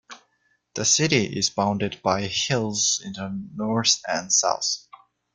The city is bounded by hills in the north and south.